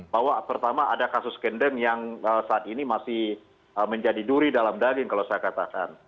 bahwa pertama ada kasus kendeng yang saat ini masih menjadi duri dalam daging kalau saya katakan